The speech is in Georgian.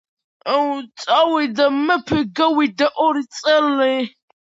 წავიდა მეფე. გავიდა ორი წელი.